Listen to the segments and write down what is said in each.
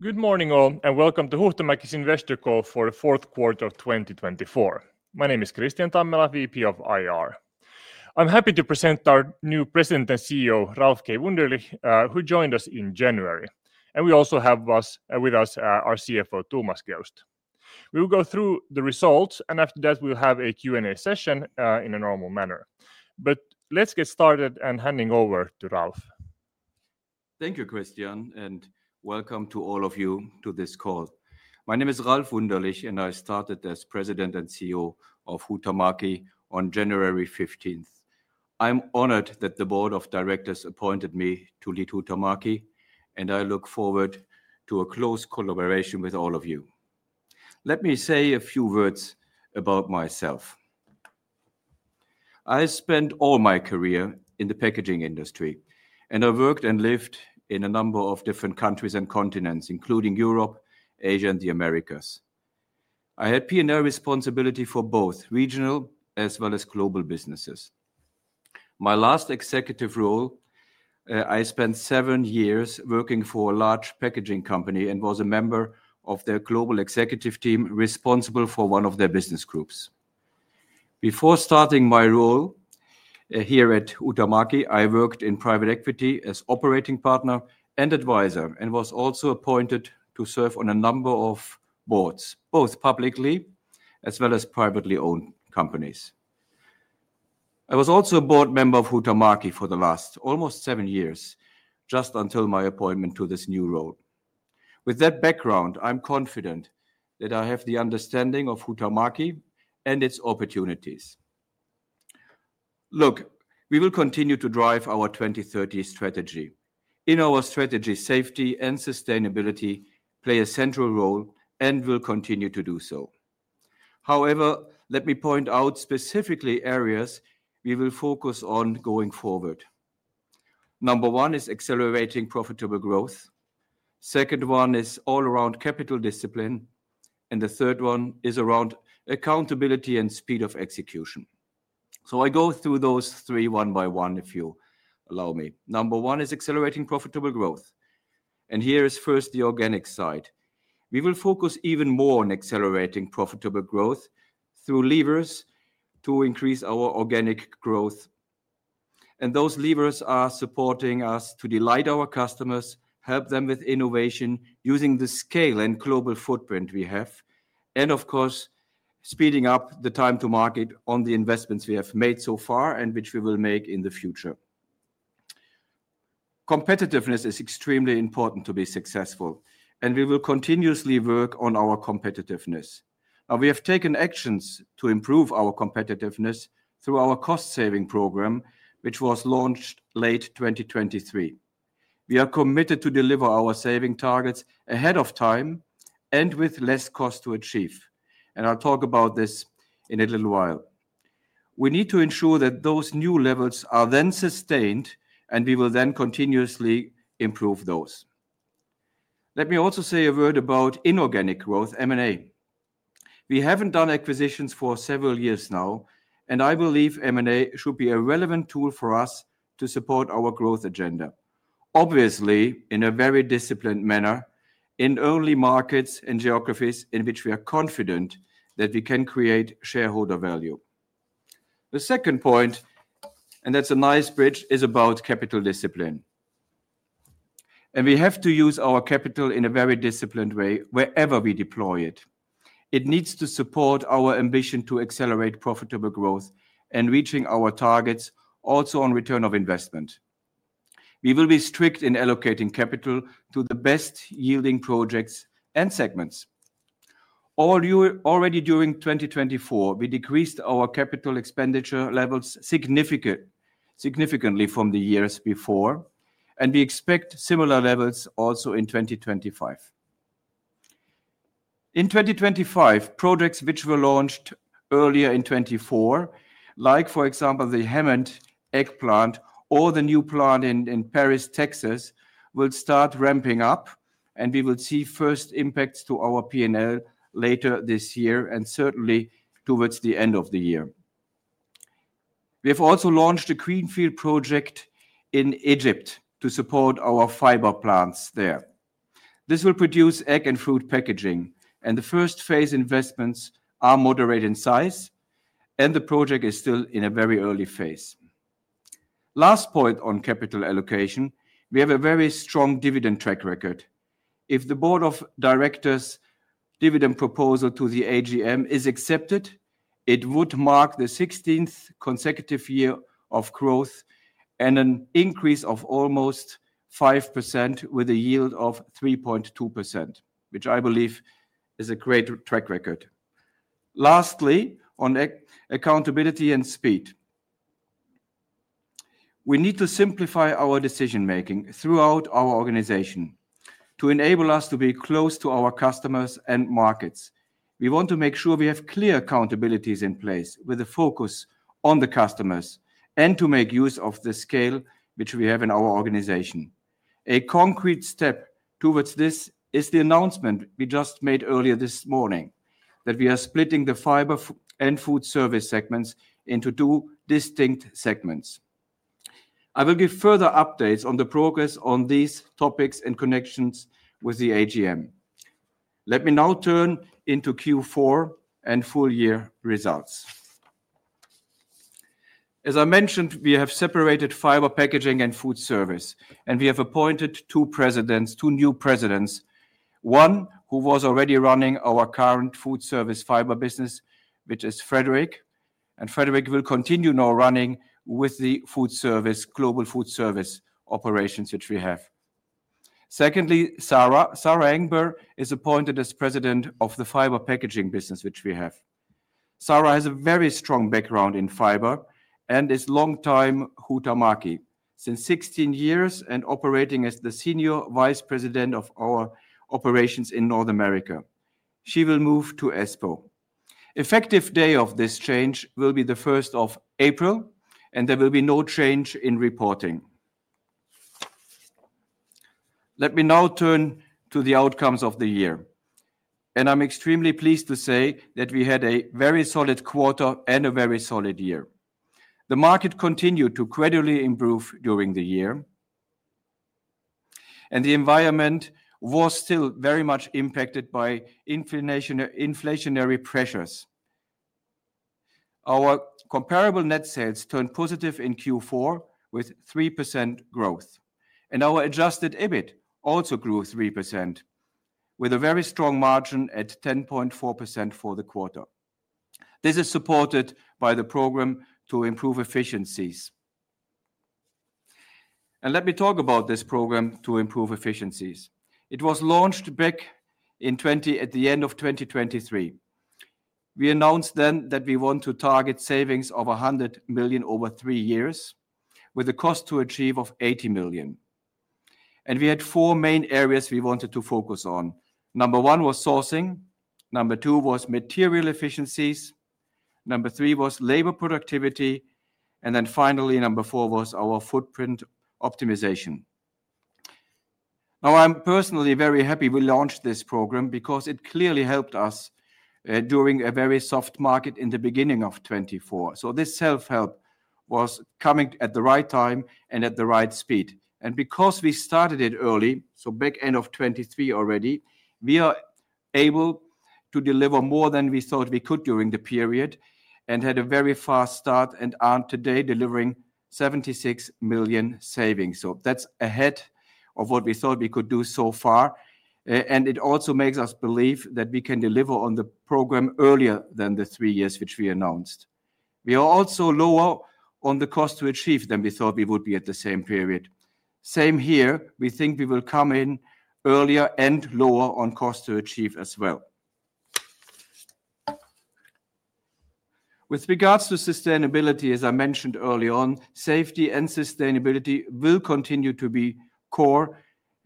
Good morning, all, and welcome to Huhtamäki's investor call for the fourth quarter of 2024. My name is Kristian Tammela, VP of IR. I'm happy to present our new President and CEO, Ralf K. Wunderlich, who joined us in January. And we also have with us our CFO, Thomas Geust. We will go through the results, and after that, we'll have a Q&A session in a normal manner. But let's get started and hand it over to Ralf. Thank you, Kristian, and welcome to all of you to this call. My name is Ralf Wunderlich, and I started as President and CEO of Huhtamäki on January 15th. I'm honored that the board of directors appointed me to lead Huhtamäki, and I look forward to a close collaboration with all of you. Let me say a few words about myself. I spent all my career in the packaging industry, and I worked and lived in a number of different countries and continents, including Europe, Asia, and the Americas. I had P&L responsibility for both regional as well as global businesses. My last executive role, I spent seven years working for a large packaging company and was a member of their global executive team responsible for one of their business groups. Before starting my role here at Huhtamäki, I worked in private equity as an operating partner and advisor, and was also appointed to serve on a number of boards, both publicly as well as privately owned companies. I was also a board member of Huhtamäki for the last almost seven years, just until my appointment to this new role. With that background, I'm confident that I have the understanding of Huhtamäki and its opportunities. Look, we will continue to drive our 2030 strategy. In our strategy, safety and sustainability play a central role and will continue to do so. However, let me point out specifically areas we will focus on going forward. Number one is accelerating profitable growth. Second one is all-around capital discipline, and the third one is around accountability and speed of execution. So I go through those three one by one, if you allow me. Number one is accelerating profitable growth, and here is first the organic side. We will focus even more on accelerating profitable growth through levers to increase our organic growth. And those levers are supporting us to delight our customers, help them with innovation using the scale and global footprint we have, and of course, speeding up the time to market on the investments we have made so far and which we will make in the future. Competitiveness is extremely important to be successful, and we will continuously work on our competitiveness. Now, we have taken actions to improve our competitiveness through our cost-saving program, which was launched late 2023. We are committed to deliver our saving targets ahead of time and with less cost to achieve. And I'll talk about this in a little while. We need to ensure that those new levels are then sustained, and we will then continuously improve those. Let me also say a word about inorganic growth, M&A. We haven't done acquisitions for several years now, and I believe M&A should be a relevant tool for us to support our growth agenda, obviously in a very disciplined manner in early markets and geographies in which we are confident that we can create shareholder value. The second point, and that's a nice bridge, is about capital discipline. And we have to use our capital in a very disciplined way wherever we deploy it. It needs to support our ambition to accelerate profitable growth and reaching our targets, also on return on investment. We will be strict in allocating capital to the best-yielding projects and segments. Already during 2024, we decreased our capital expenditure levels significantly from the years before, and we expect similar levels also in 2025. In 2025, projects which were launched earlier in 2024, like for example, the Hammond egg packaging plant or the new plant in Paris, Texas, will start ramping up, and we will see first impacts to our P&L later this year and certainly towards the end of the year. We have also launched a greenfield project in Egypt to support our Fiber plants there. This will produce egg and fruit packaging, and the first phase investments are moderate in size, and the project is still in a very early phase. Last point on capital allocation, we have a very strong dividend track record. If the board of directors' dividend proposal to the AGM is accepted, it would mark the 16th consecutive year of growth and an increase of almost 5% with a yield of 3.2%, which I believe is a great track record. Lastly, on accountability and speed, we need to simplify our decision-making throughout our organization to enable us to be close to our customers and markets. We want to make sure we have clear accountabilities in place with a focus on the customers and to make use of the scale which we have in our organization. A concrete step towards this is the announcement we just made earlier this morning that we are splitting the Fiber and Foodservice segments into two distinct segments. I will give further updates on the progress on these topics and connections with the AGM. Let me now turn into Q4 and full-year results. As I mentioned, we have separated Fiber packaging and Foodservice, and we have appointed two Presidents, two new Presidents, one who was already running our current Foodservice Fiber business, which is Fredrik, and Fredrik will continue now running with the Foodservice, global Foodservice operations which we have. Secondly, Sara Enberg is appointed as President of the Fiber packaging business which we have. Sara has a very strong background in Fiber and is a long-time Huhtamäki since 16 years and operating as the Senior Vice President of our operations in North America. She will move to Espoo. The effective day of this change will be the 1st of April, and there will be no change in reporting. Let me now turn to the outcomes of the year, and I'm extremely pleased to say that we had a very solid quarter and a very solid year. The market continued to gradually improve during the year, and the environment was still very much impacted by inflationary pressures. Our comparable net sales turned positive in Q4 with 3% growth, and our adjusted EBIT also grew 3% with a very strong margin at 10.4% for the quarter. This is supported by the program to improve efficiencies. And let me talk about this program to improve efficiencies. It was launched back at the end of 2023. We announced then that we want to target savings of 100 million over three years with a cost to achieve of 80 million. And we had four main areas we wanted to focus on. Number one was sourcing. Number two was material efficiencies. Number three was labor productivity. And then finally, number four was our footprint optimization. Now, I'm personally very happy we launched this program because it clearly helped us during a very soft market in the beginning of 2024. So this self-help was coming at the right time and at the right speed. And because we started it early, so back end of 2023 already, we are able to deliver more than we thought we could during the period and had a very fast start and are today delivering 76 million savings. So that's ahead of what we thought we could do so far. And it also makes us believe that we can deliver on the program earlier than the three years which we announced. We are also lower on the cost to achieve than we thought we would be at the same period. Same here, we think we will come in earlier and lower on cost to achieve as well. With regards to sustainability, as I mentioned early on, safety and sustainability will continue to be core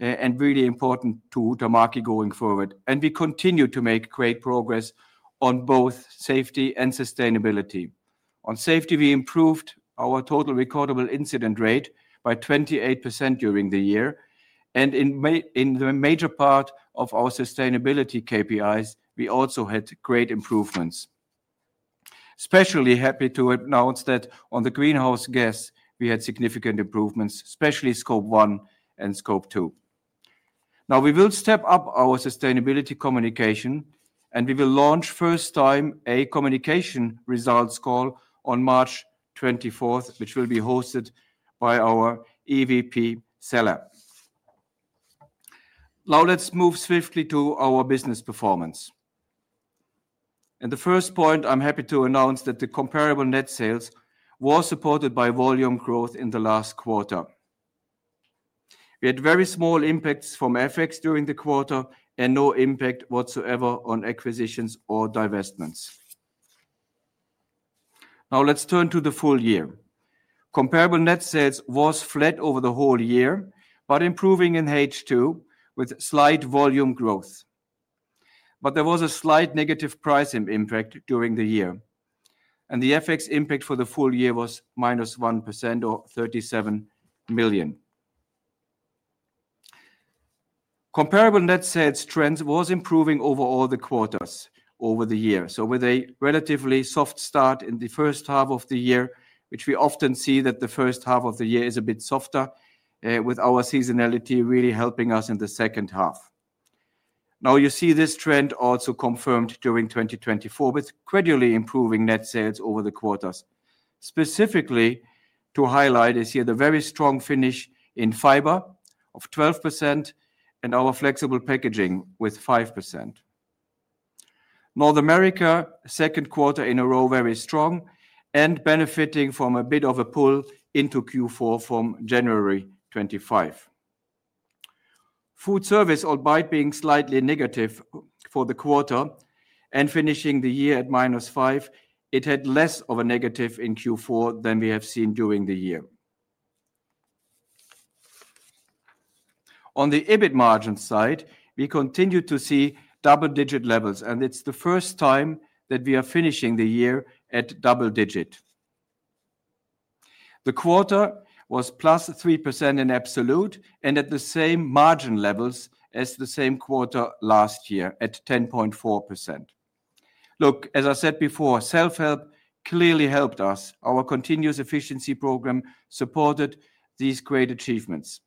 and really important to Huhtamäki going forward. We continue to make great progress on both safety and sustainability. On safety, we improved our total recordable incident rate by 28% during the year. In the major part of our sustainability KPIs, we also had great improvements. Especially happy to announce that on the greenhouse gas, we had significant improvements, especially Scope 1 and Scope 2. Now, we will step up our sustainability communication, and we will launch first-time a communication results call on March 24th, which will be hosted by our EVP Salla Ahonen. Now, let's move swiftly to our business performance. The first point, I'm happy to announce that the comparable net sales were supported by volume growth in the last quarter. We had very small impacts from FX during the quarter and no impact whatsoever on acquisitions or divestments. Now, let's turn to the full year. Comparable net sales were flat over the whole year, but improving in H2 with slight volume growth, but there was a slight negative pricing impact during the year, and the FX impact for the full year was minus 1% or 37 million. Comparable net sales trends were improving over all the quarters over the year, so with a relatively soft start in the first half of the year, which we often see that the first half of the year is a bit softer, with our seasonality really helping us in the second half. Now, you see this trend also confirmed during 2024 with gradually improving net sales over the quarters. Specifically to highlight is here the very strong finish in Fiber of 12% and our Flexible Packaging with 5%. North America, second quarter in a row, very strong and benefiting from a bit of a pull into Q4 from January 2025. Foodservice, albeit being slightly negative for the quarter and finishing the year at -5%, it had less of a negative in Q4 than we have seen during the year. On the EBIT margin side, we continue to see double-digit levels, and it's the first time that we are finishing the year at double-digit. The quarter was +3% in absolute and at the same margin levels as the same quarter last year at 10.4%. Look, as I said before, self-help clearly helped us. Our continuous efficiency program supported these great achievements.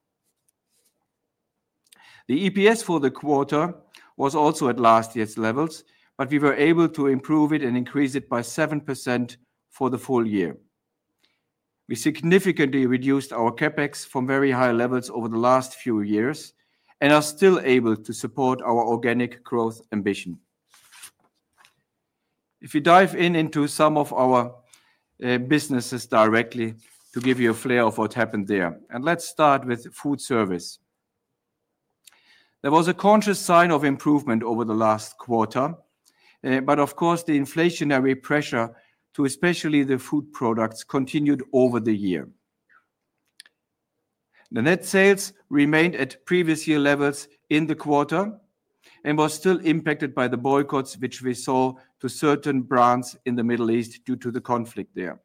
The EPS for the quarter was also at last year's levels, but we were able to improve it and increase it by 7% for the full year. We significantly reduced our CapEx from very high levels over the last few years and are still able to support our organic growth ambition. If you dive into some of our businesses directly to give you a flavor of what happened there. And let's start with Foodservice. There was a conscious sign of improvement over the last quarter, but of course, the inflationary pressure on especially the food products continued over the year. The net sales remained at previous year levels in the quarter and were still impacted by the boycotts which we saw to certain brands in the Middle East due to the conflict there.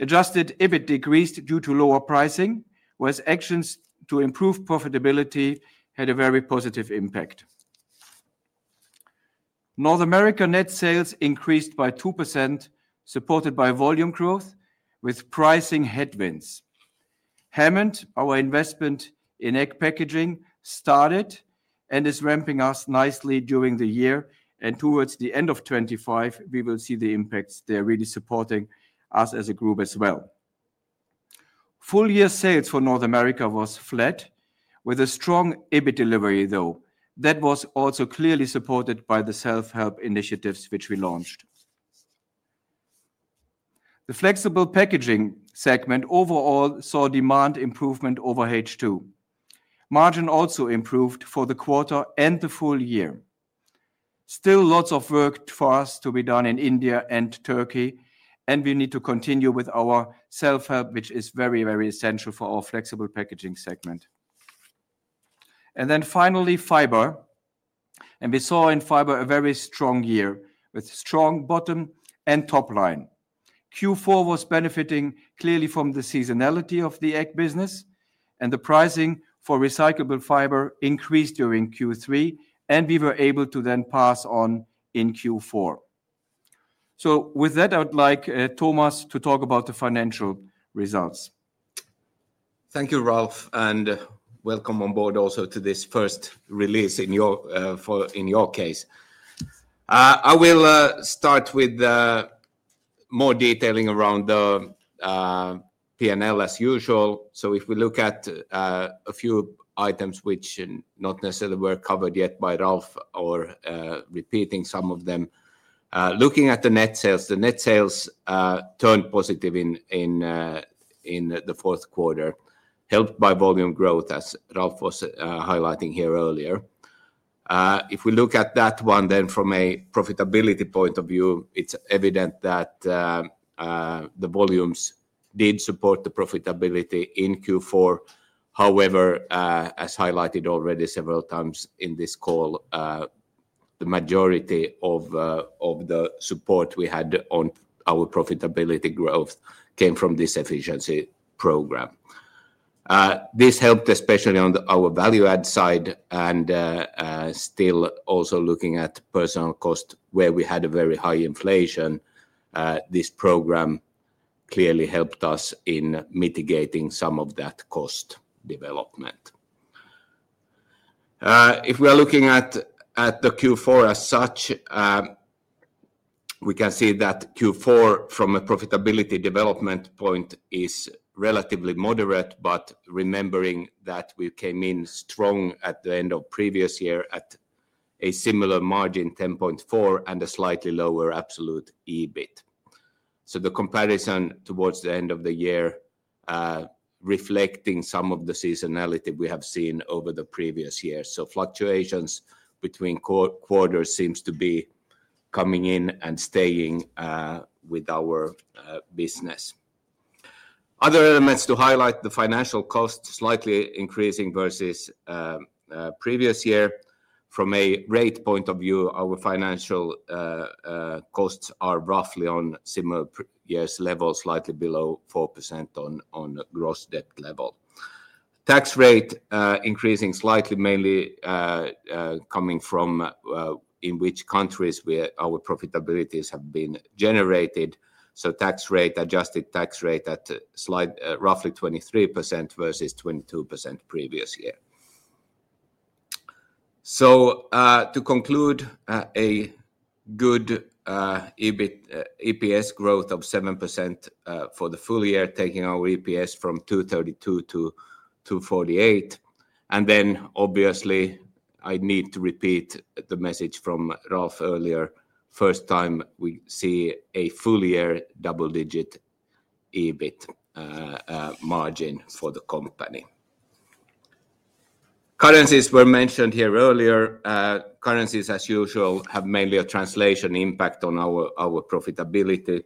Adjusted EBIT decreased due to lower pricing, whereas actions to improve profitability had a very positive impact. North America net sales increased by 2%, supported by volume growth with pricing headwinds. Hammond, our investment in egg packaging, started and is ramping up nicely during the year. And towards the end of 2025, we will see the impacts there really supporting us as a group as well. Full-year sales for North America were flat with a strong EBIT delivery, though. That was also clearly supported by the self-help initiatives which we launched. The Flexible Packaging segment overall saw demand improvement over H2. Margin also improved for the quarter and the full year. Still lots of work for us to be done in India and Turkey, and we need to continue with our self-help, which is very, very essential for our Flexible Packaging segment. And then finally, Fiber. And we saw in Fiber a very strong year with strong bottom and top line. Q4 was benefiting clearly from the seasonality of the egg business, and the pricing for recyclable Fiber increased during Q3, and we were able to then pass on in Q4. So with that, I would like Thomas to talk about the financial results. Thank you, Ralf, and welcome on board also to this first release in your case. I will start with more detailing around the P&L as usual. So if we look at a few items which not necessarily were covered yet by Ralf or repeating some of them, looking at the net sales, the net sales turned positive in the Q4, helped by volume growth, as Ralf was highlighting here earlier. If we look at that one then from a profitability point of view, it's evident that the volumes did support the profitability in Q4. However, as highlighted already several times in this call, the majority of the support we had on our profitability growth came from this efficiency program. This helped especially on our value-add side. And still also looking at personnel cost, where we had a very high inflation, this program clearly helped us in mitigating some of that cost development. If we are looking at the Q4 as such, we can see that Q4 from a profitability development point is relatively moderate, but remembering that we came in strong at the end of previous year at a similar margin, 10.4%, and a slightly lower absolute EBIT. So the comparison towards the end of the year reflecting some of the seasonality we have seen over the previous year. So, fluctuations between quarters seem to be coming in and staying with our business. Other elements to highlight: the financial cost slightly increasing versus previous year. From a rate point of view, our financial costs are roughly on similar year's level, slightly below 4% on gross debt level. Tax rate increasing slightly, mainly coming from in which countries our profitabilities have been generated. So, tax rate, adjusted tax rate at roughly 23% versus 22% previous year. So, to conclude, a good EPS growth of 7% for the full year, taking our EPS from 232 to 248. And then obviously, I need to repeat the message from Ralf earlier. First time we see a full year double-digit EBIT margin for the company. Currencies were mentioned here earlier. Currencies, as usual, have mainly a translation impact on our profitability.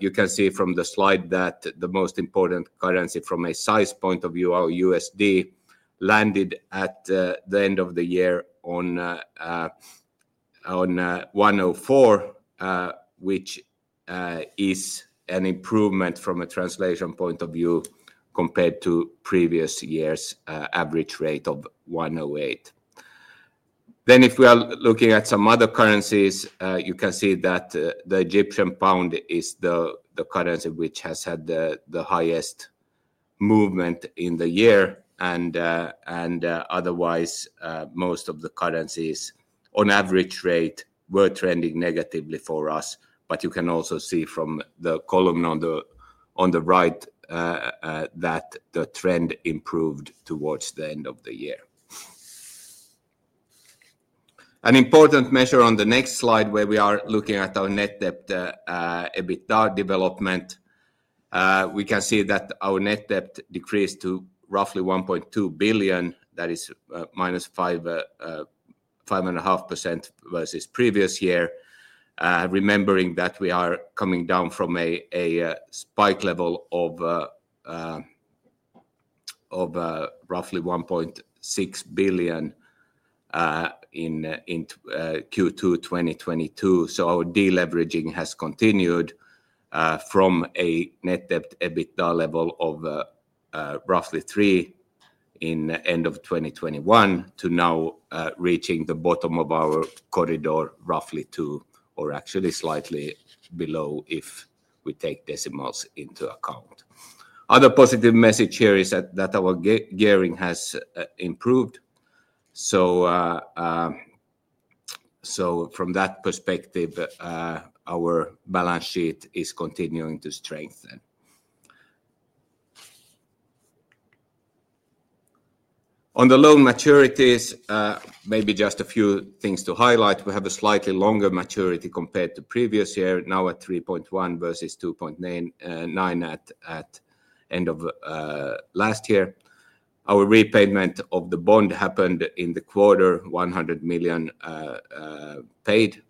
You can see from the slide that the most important currency from a size point of view, our USD, landed at the end of the year on 104, which is an improvement from a translation point of view compared to previous year's average rate of 108. Then if we are looking at some other currencies, you can see that the Egyptian pound is the currency which has had the highest movement in the year. And otherwise, most of the currencies on average rate were trending negatively for us. But you can also see from the column on the right that the trend improved towards the end of the year. An important measure, on the next slide where we are looking at our net debt EBITDA development, we can see that our net debt decreased to roughly 1.2 billion. That is minus 5.5% versus previous year. Remembering that we are coming down from a spike level of roughly EUR 1.6 billion in Q2 2022. So our deleveraging has continued from a net debt EBITDA level of roughly 3 in the end of 2021 to now reaching the bottom of our corridor, roughly two, or actually slightly below if we take decimals into account. Other positive message here is that our gearing has improved. So from that perspective, our balance sheet is continuing to strengthen. On the loan maturities, maybe just a few things to highlight. We have a slightly longer maturity compared to previous year, now at 3.1 versus 2.9 at the end of last year. Our repayment of the bond happened in the quarter, 100 million paid.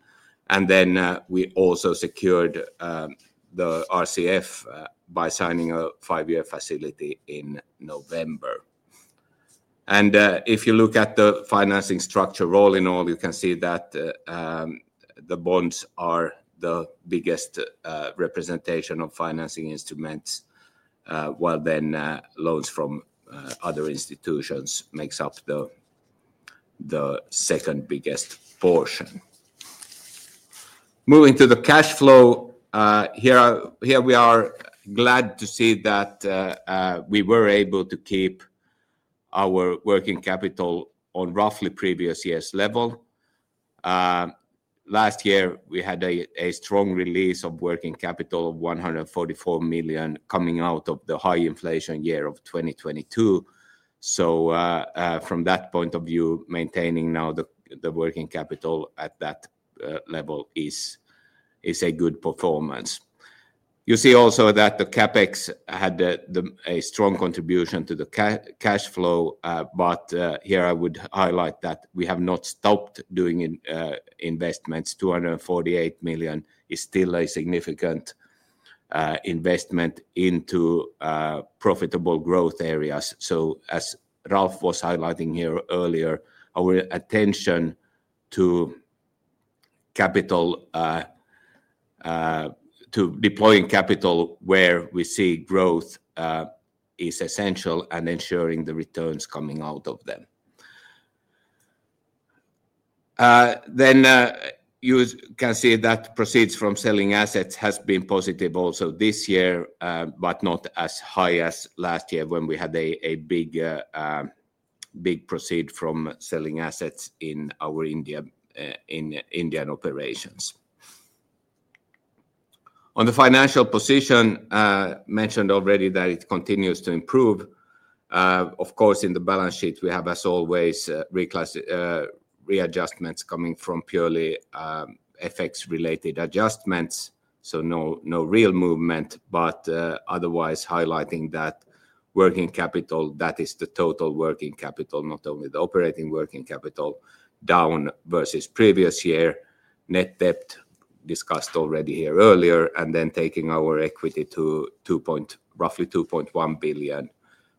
And then we also secured the RCF by signing a five-year facility in November. If you look at the financing structure all in all, you can see that the bonds are the biggest representation of financing instruments, while then loans from other institutions make up the second biggest portion. Moving to the cash flow, here we are glad to see that we were able to keep our working capital on roughly previous year's level. Last year, we had a strong release of working capital of 144 million coming out of the high inflation year of 2022. So from that point of view, maintaining now the working capital at that level is a good performance. You see also that the CapEx had a strong contribution to the cash flow, but here I would highlight that we have not stopped doing investments. 248 million is still a significant investment into profitable growth areas. So as Ralf was highlighting here earlier, our attention to deploying capital where we see growth is essential and ensuring the returns coming out of them. Then you can see that proceeds from selling assets have been positive also this year, but not as high as last year when we had a big proceeds from selling assets in our Indian operations. On the financial position, I mentioned already that it continues to improve. Of course, in the balance sheet, we have as always readjustments coming from purely FX-related adjustments. So no real movement, but otherwise highlighting that working capital, that is the total working capital, not only the operating working capital, down versus previous year. Net debt discussed already here earlier, and then taking our equity to roughly 2.1 billion.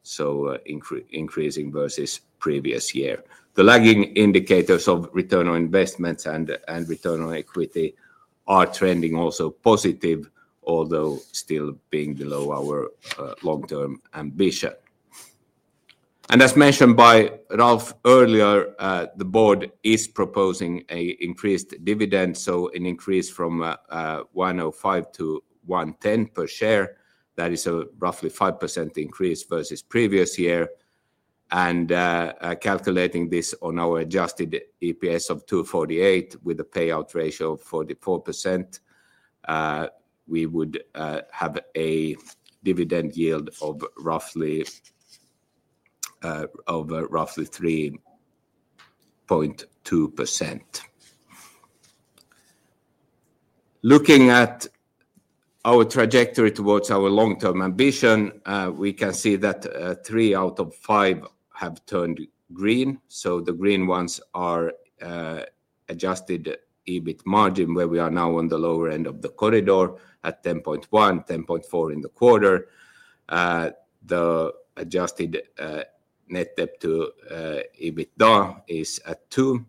So increasing versus previous year. The lagging indicators of return on investments and return on equity are trending also positive, although still being below our long-term ambition. As mentioned by Ralf earlier, the board is proposing an increased dividend, so an increase from 1.05 to 1.10 per share. That is a roughly 5% increase versus previous year. Calculating this on our adjusted EPS of 2.48 with a payout ratio of 44%, we would have a dividend yield of roughly 3.2%. Looking at our trajectory towards our long-term ambition, we can see that three out of five have turned green. The green ones are adjusted EBIT margin, where we are now on the lower end of the corridor at 10.1%-10.4% in the quarter. The adjusted net debt to EBITDA is at two.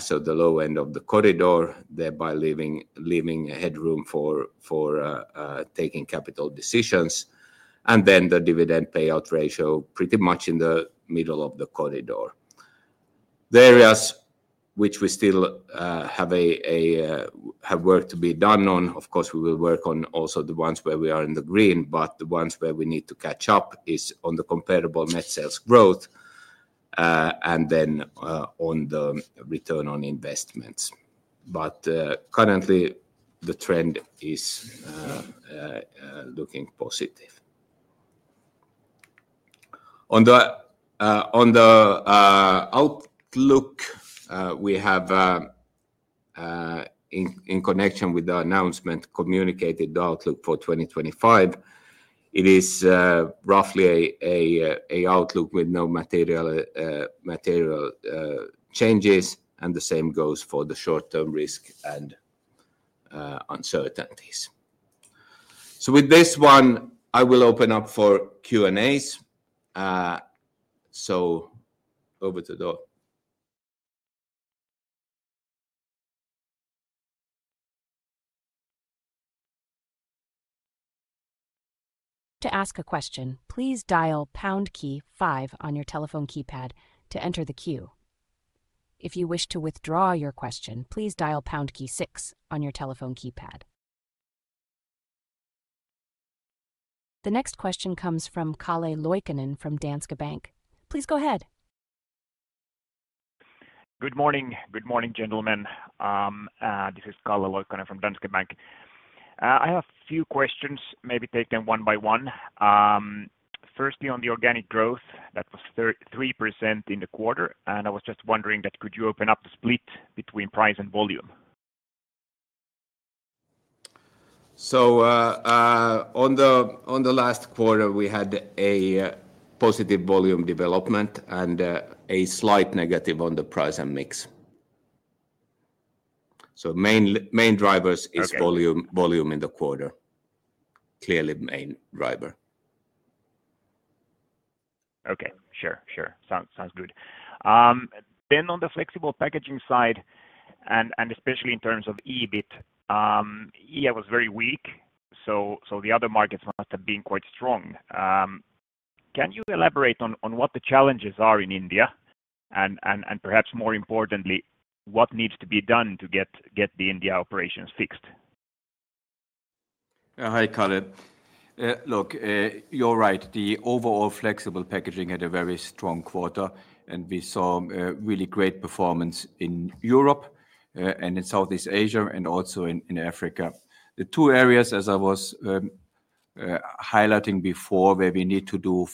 So the low end of the corridor, thereby leaving headroom for taking capital decisions. And then the dividend payout ratio pretty much in the middle of the corridor. The areas which we still have work to be done on, of course, we will work on also the ones where we are in the green, but the ones where we need to catch up is on the comparable net sales growth and then on the return on investments. But currently, the trend is looking positive. On the outlook, we have, in connection with the announcement, communicated the outlook for 2025. It is roughly an outlook with no material changes, and the same goes for the short-term risk and uncertainties. So with this one, I will open up for Q&As. So over to the. To ask a question, please dial pound key five on your telephone keypad to enter the queue. If you wish to withdraw your question, please dial pound key six on your telephone keypad. The next question comes from Calle Loikkanen. Please go ahead. Good morning. Good morning, gentlemen. This is Calle Loikkanen from Danske Bank. I have a few questions, maybe take them one by one. Firstly, on the organic growth, that was 3% in the quarter, and I was just wondering that could you open up the split between price and volume? So, on the last quarter, we had a positive volume development and a slight negative on the price and mix. So, main drivers is volume in the quarter, clearly main driver. Okay. Sure. Sure. Sounds good. Then on the Flexible Packaging side, and especially in terms of EBIT, India was very weak. So the other markets must have been quite strong. Can you elaborate on what the challenges are in India? And perhaps more importantly, what needs to be done to get the India operations fixed? Hi, Calle. Look, you're right. The overall Flexible Packaging had a very strong quarter. And we saw really great performance in Europe and in Southeast Asia and also in Africa. The two areas, as I was highlighting before, where we need to do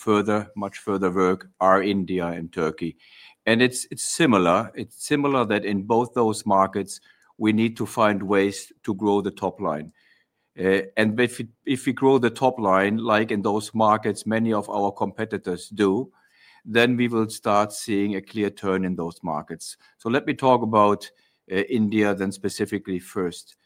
much further work are India and Turkey. And it's similar. It's similar that in both those markets, we need to find ways to grow the top line. And if we grow the top line, like in those markets many of our competitors do, then we will start seeing a clear turn in those markets. So let me talk about India then specifically first.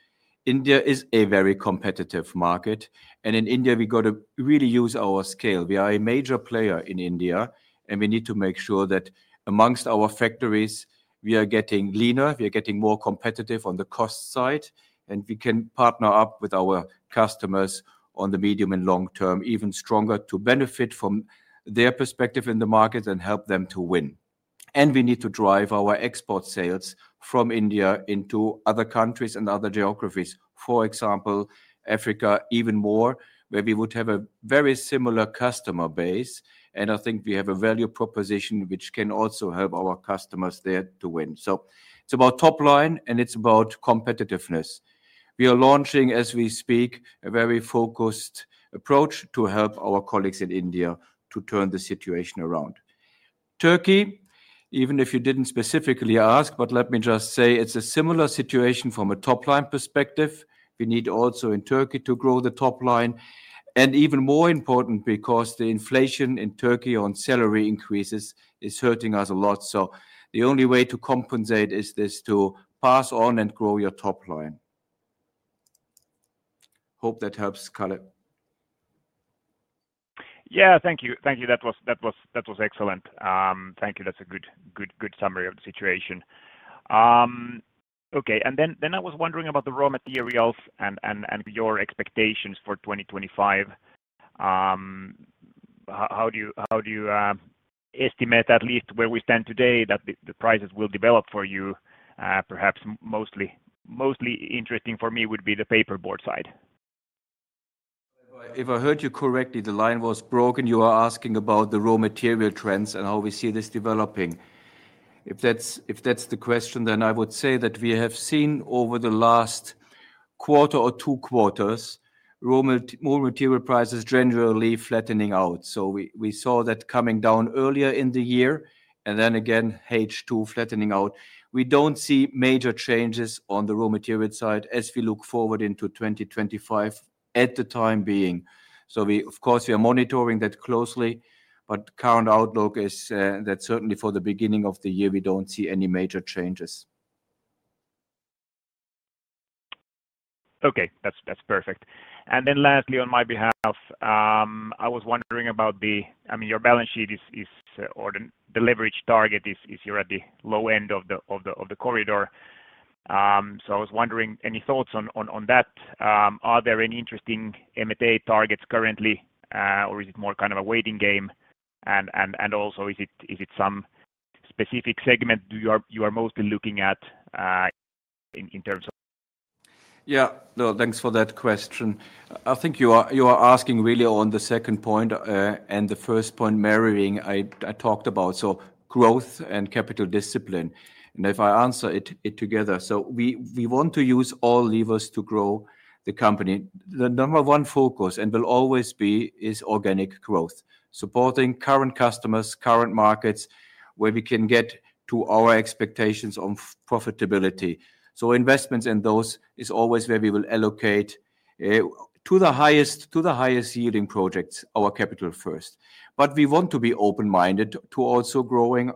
India is a very competitive market. And in India, we got to really use our scale. We are a major player in India. And we need to make sure that among our factories, we are getting leaner, we are getting more competitive on the cost side. And we can partner up with our customers on the medium and long term, even stronger to benefit from their perspective in the markets and help them to win. And we need to drive our export sales from India into other countries and other geographies, for example, Africa even more, where we would have a very similar customer base. And I think we have a value proposition which can also help our customers there to win. So it's about top line and it's about competitiveness. We are launching, as we speak, a very focused approach to help our colleagues in India to turn the situation around. Turkey, even if you didn't specifically ask, but let me just say it's a similar situation from a top line perspective. We need also in Turkey to grow the top line. And even more important because the inflation in Turkey on salary increases is hurting us a lot. So the only way to compensate is this to pass on and grow your top line. Hope that helps, Calle. Yeah, thank you. Thank you. That was excellent. Thank you. That's a good summary of the situation. Okay. And then I was wondering about the raw materials and your expectations for 2025. How do you estimate, at least where we stand today, that the prices will develop for you? Perhaps mostly interesting for me would be the paperboard side. If I heard you correctly, the line was broken. You were asking about the raw material trends and how we see this developing. If that's the question, then I would say that we have seen over the last quarter or two quarters, raw material prices generally flattening out, so we saw that coming down earlier in the year, and then again, H2 flattening out. We don't see major changes on the raw material side as we look forward into 2025 for the time being. So of course, we are monitoring that closely, but current outlook is that certainly for the beginning of the year, we don't see any major changes. Okay. That's perfect. And then lastly, on my behalf, I was wondering about the, I mean, your balance sheet is the leverage target here at the low end of the corridor. So I was wondering, any thoughts on that? Are there any interesting M&A targets currently, or is it more kind of a waiting game? And also, is it some specific segment you are mostly looking at in terms of? Yeah. No, thanks for that question. I think you are asking really on the second point and the first point margin I talked about. So growth and capital discipline. And if I answer it together. We want to use all levers to grow the company. The number one focus and will always be is organic growth. Supporting current customers, current markets, where we can get to our expectations on profitability. So investments in those is always where we will allocate to the highest yielding projects, our capital first. But we want to be open-minded to also growing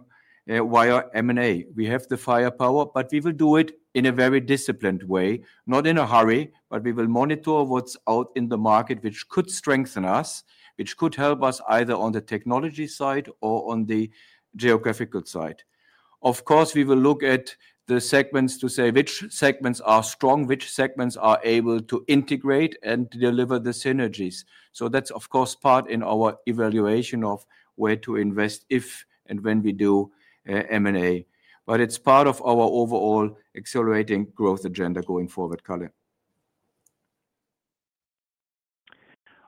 via M&A. We have the firepower, but we will do it in a very disciplined way, not in a hurry, but we will monitor what's out in the market, which could strengthen us, which could help us either on the technology side or on the geographical side. Of course, we will look at the segments to say which segments are strong, which segments are able to integrate and deliver the synergies. So that's, of course, part in our evaluation of where to invest if and when we do M&A. But it's part of our overall accelerating growth agenda going forward, Calle.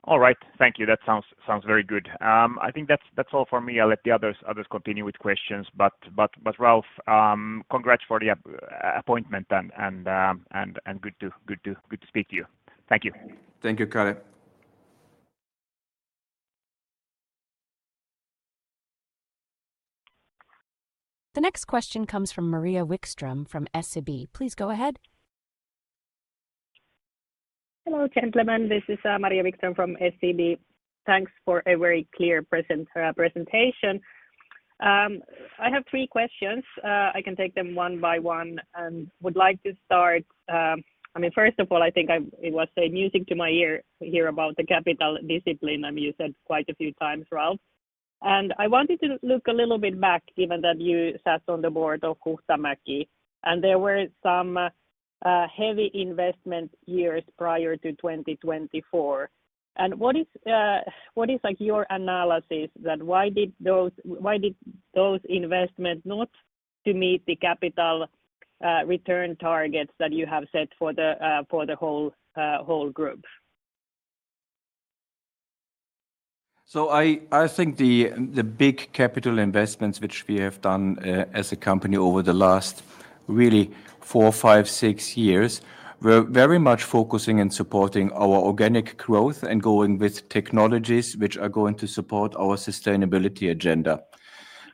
All right. Thank you. That sounds very good. I think that's all for me. I'll let the others continue with questions, but Ralf, congrats for the appointment and good to speak to you. Thank you. Thank you, Calle. The next question comes from Maria Wikström from SEB. Please go ahead. Hello, gentlemen. This is Maria Wikström from SEB. Thanks for a very clear presentation. I have three questions. I can take them one by one and would like to start. I mean, first of all, I think it was a music to my ear to hear about the capital discipline. I mean, you said quite a few times, Ralf. And I wanted to look a little bit back, given that you sat on the board of Huhtamäki. And there were some heavy investment years prior to 2024. And what is your analysis that why did those investments not meet the capital return targets that you have set for the whole group? So I think the big capital investments which we have done as a company over the last really four, five, six years were very much focusing and supporting our organic growth and going with technologies which are going to support our sustainability agenda.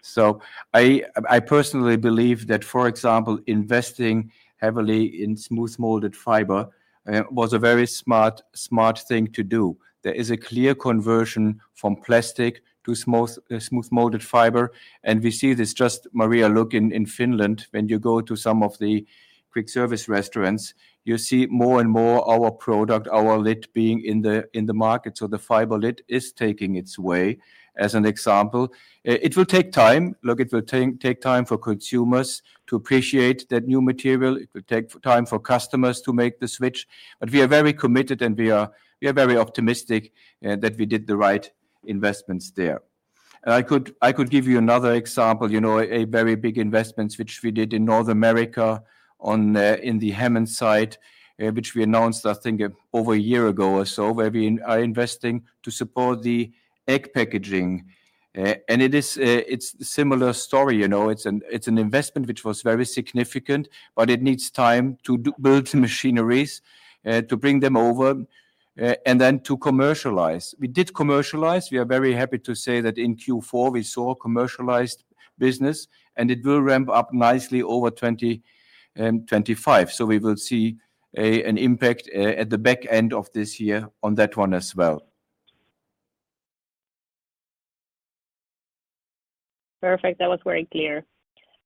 So I personally believe that, for example, investing heavily in smooth molded Fiber was a very smart thing to do. There is a clear conversion from plastic to smooth molded Fiber. And we see this just, Maria, look in Finland. When you go to some of the quick service restaurants, you see more and more our product, our lid being in the market. So the Fiber lid is taking its way, as an example. It will take time. Look, it will take time for consumers to appreciate that new material. It will take time for customers to make the switch. But we are very committed and we are very optimistic that we did the right investments there. And I could give you another example, a very big investment which we did in North America in the Hammond site, which we announced, I think, over a year ago or so, where we are investing to support the egg packaging. And it's a similar story. It's an investment which was very significant, but it needs time to build machineries to bring them over and then to commercialize. We did commercialize. We are very happy to say that in Q4, we saw commercialized business. And it will ramp up nicely over 2025. So we will see an impact at the back end of this year on that one as well. Perfect. That was very clear.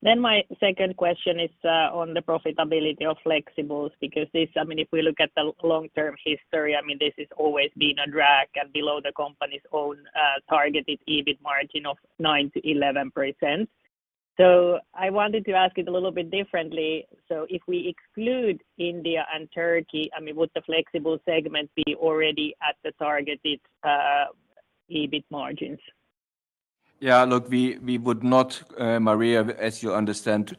Then my second question is on the profitability of flexibles because this, I mean, if we look at the long-term history, I mean, this has always been a drag and below the company's own targeted EBIT margin of 9%-11%. So I wanted to ask it a little bit differently. So if we exclude India and Turkey, I mean, would the flexible segment be already at the targeted EBIT margins? Yeah. Look, we would not, Maria, as you understand,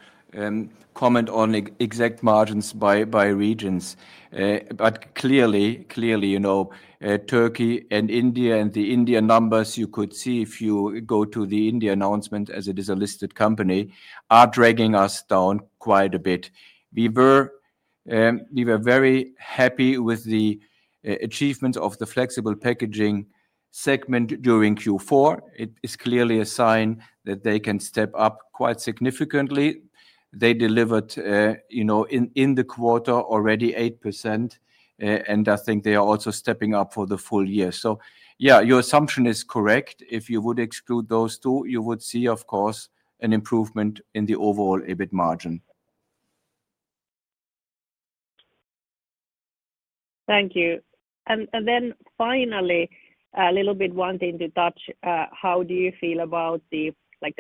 comment on exact margins by regions. But clearly, Turkey and India and the India numbers, you could see if you go to the India announcement as it is a listed company, are dragging us down quite a bit. We were very happy with the achievements of the Flexible Packaging segment during Q4. It is clearly a sign that they can step up quite significantly. They delivered in the quarter already 8%. And I think they are also stepping up for the full year. So yeah, your assumption is correct. If you would exclude those two, you would see, of course, an improvement in the overall EBIT margin. Thank you. And then finally, a little bit wanting to touch, how do you feel about the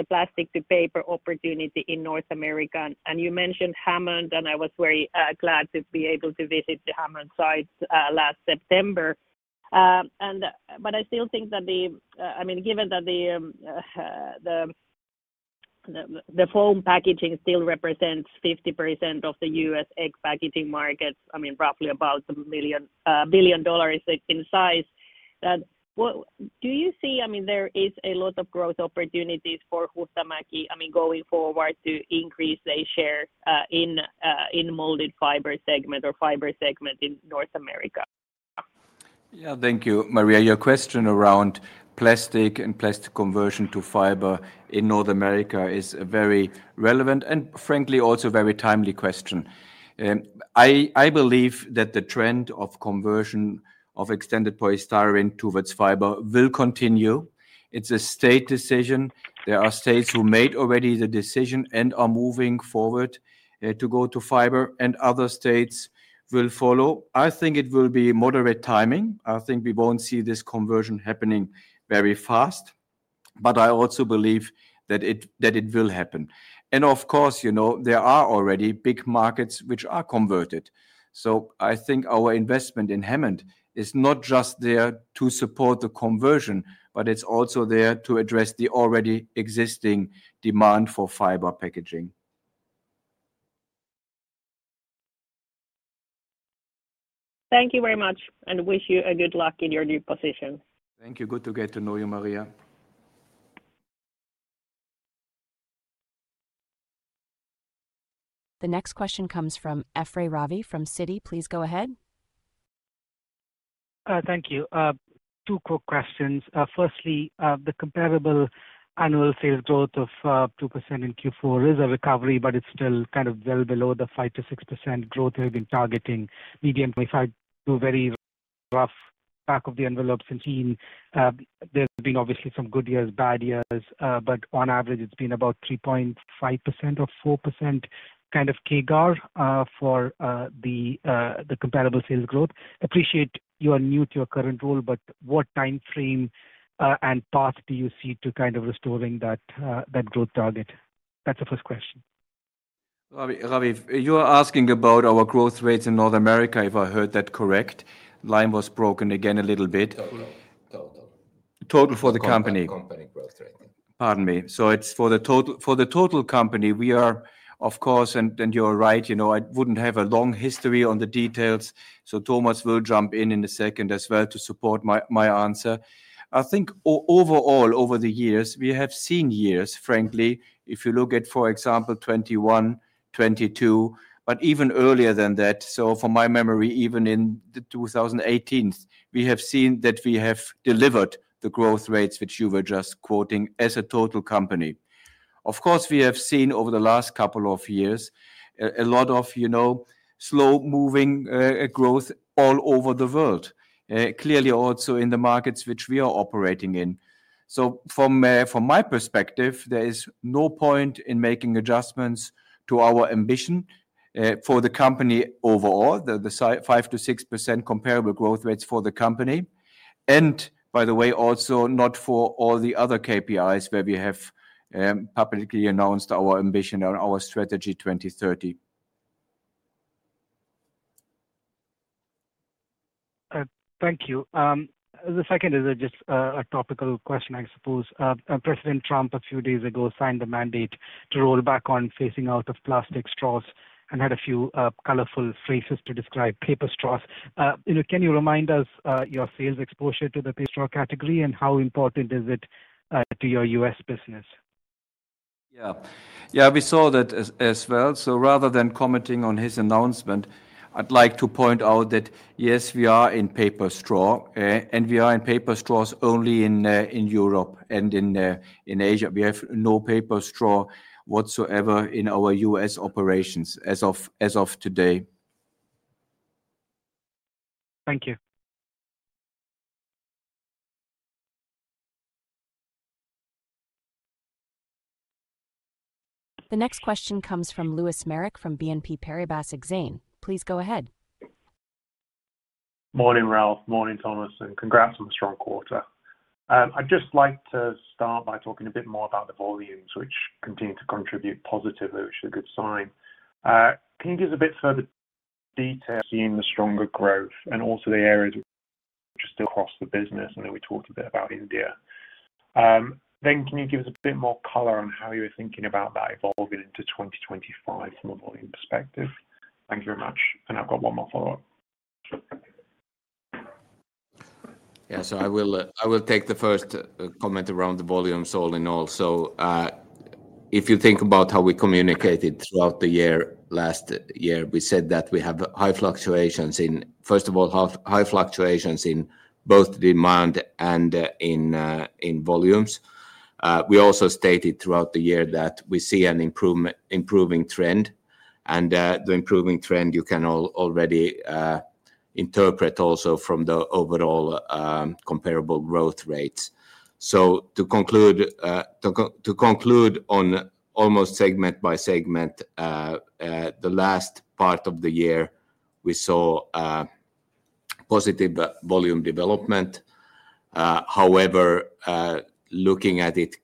plastic to paper opportunity in North America? And you mentioned Hammond, and I was very glad to be able to visit the Hammond site last September. But I still think that the, I mean, given that the foam packaging still represents 50% of the U.S. egg packaging market, I mean, roughly about $1 billion in size, that do you see, I mean, there is a lot of growth opportunities for Huhtamäki, I mean, going forward to increase their share in molded Fiber segment or Fiber segment in North America? Yeah. Thank you, Maria. Your question around plastic and plastic conversion to Fiber in North America is a very relevant and frankly, also very timely question. I believe that the trend of conversion of expanded polystyrene towards Fiber will continue. It's a state decision. There are states who made already the decision and are moving forward to go to Fiber, and other states will follow. I think it will be moderate timing. I think we won't see this conversion happening very fast, but I also believe that it will happen, and of course, there are already big markets which are converted. So I think our investment in Hammond is not just there to support the conversion, but it's also there to address the already existing demand for Fiber packaging. Thank you very much and wish you good luck in your new position. Thank you. Good to get to know you, Maria. The next question comes from Ephrem Ravi from Citi. Please go ahead. Thank you. Two quick questions. Firstly, the comparable annual sales growth of 2% in Q4 is a recovery, but it's still kind of well below the 5%-6% growth we've been targeting. If I do a very rough back of the envelope since 2018, there have been obviously some good years, bad years. But on average, it's been about 3.5% or 4% kind of CAGR for the comparable sales growth. Appreciate you are new to your current role, but what timeframe and path do you see to kind of restoring that growth target? That's the first question. Ravi, you were asking about our growth rate in North America, if I heard that correct. Line was broken again a little bit. Total for the company. Pardon me. So it's for the total company. We are, of course, and you're right, I wouldn't have a long history on the details. So Thomas will jump in in a second as well to support my answer. I think overall, over the years, we have seen years, frankly, if you look at, for example, 2021, 2022, but even earlier than that. So from my memory, even in 2018, we have seen that we have delivered the growth rates which you were just quoting as a total company. Of course, we have seen over the last couple of years a lot of slow-moving growth all over the world, clearly also in the markets which we are operating in. From my perspective, there is no point in making adjustments to our ambition for the company overall, the 5%-6% comparable growth rates for the company. By the way, also not for all the other KPIs where we have publicly announced our ambition and our Strategy 2030. Thank you. The second is just a topical question, I suppose. President Trump, a few days ago, signed the mandate to roll back on phasing out of plastic straws and had a few colorful phrases to describe paper straws. Can you remind us your sales exposure to the paper straw category and how important is it to your U.S. business? Yeah. Yeah, we saw that as well. So rather than commenting on his announcement, I'd like to point out that yes, we are in paper straw, and we are in paper straws only in Europe and in Asia. We have no paper straw whatsoever in our US operations as of today. Thank you. The next question comes from Lewis Merrick from BNP Paribas Exane. Please go ahead. Morning, Ralf. Morning, Thomas. Congrats on the strong quarter. I'd just like to start by talking a bit more about the volumes, which continue to contribute positively, which is a good sign. Can you give us a bit further detail, seeing the stronger growth and also the areas which are still across the business, and then we talked a bit about India, then can you give us a bit more color on how you're thinking about that evolving into 2025 from a volume perspective? Thank you very much. I've got one more follow-up. Yeah. So I will take the first comment around the volumes all in all. So if you think about how we communicated throughout the year last year, we said that we have high fluctuations in, first of all, high fluctuations in both demand and in volumes. We also stated throughout the year that we see an improving trend. And the improving trend, you can already interpret also from the overall comparable growth rates. So to conclude on almost segment by segment, the last part of the year, we saw positive volume development. However, looking at it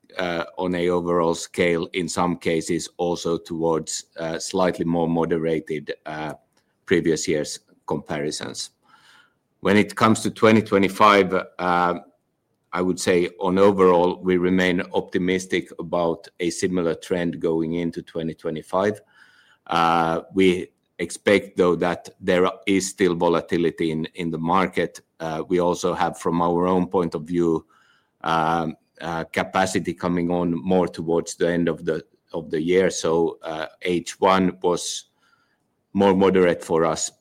on an overall scale, in some cases, also towards slightly more moderated previous year's comparisons. When it comes to 2025, I would say on overall, we remain optimistic about a similar trend going into 2025. We expect, though, that there is still volatility in the market. We also have, from our own point of view, capacity coming on more towards the end of the year. So H1 was more moderate for us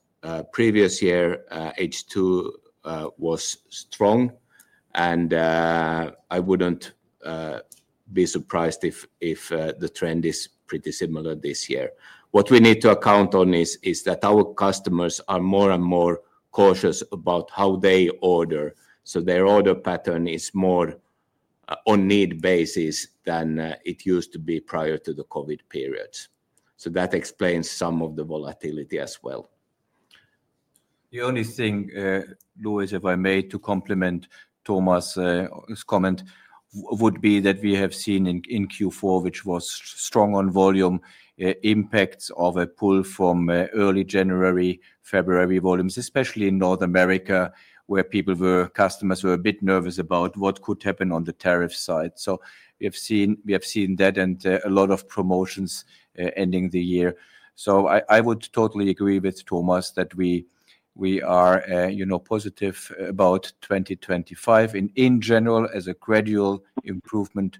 previous year. H2 was strong. And I wouldn't be surprised if the trend is pretty similar this year. What we need to account for is that our customers are more and more cautious about how they order. So their order pattern is more on a need basis than it used to be prior to the COVID periods. So that explains some of the volatility as well. The only thing, Lewis, if I may, to complement Thomas's comment would be that we have seen in Q4, which was strong on volume, impacts of a pull from early January, February volumes, especially in North America, where customers were a bit nervous about what could happen on the tariff side. So we have seen that and a lot of promotions ending the year. So I would totally agree with Thomas that we are positive about 2025. In general, as a gradual improvement